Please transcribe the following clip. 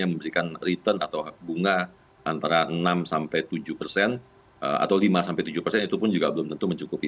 yang memberikan return atau bunga antara enam tujuh atau lima tujuh itu pun juga belum tentu mencukupi